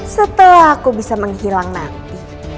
supaya aku bisa menghilang nanti